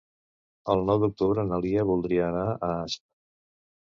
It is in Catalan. El nou d'octubre na Lia voldria anar a Asp.